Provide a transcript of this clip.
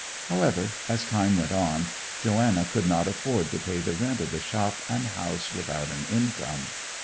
However, as time went on Joanna could not afford to pay the rent of the shop and house without an income.